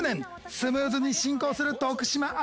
スムーズに進行する徳島アナ。